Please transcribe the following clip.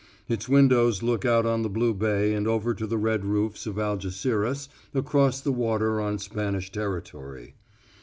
Its windows look out on the blue bay and over to the red roofs of Algeciras across the water on Spanish territory.